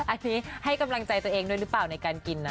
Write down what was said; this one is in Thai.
อันนี้ให้กำลังใจตัวเองด้วยหรือเปล่าในการกินนะ